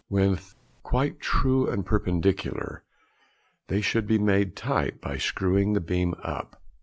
When quite true and perpendicular, they should be made tight by screwing the beam up.